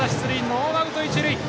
ノーアウト一塁。